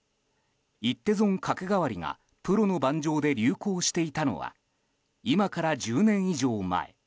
一手損角換わりがプロの盤上で流行していたのは今から１０年以上前。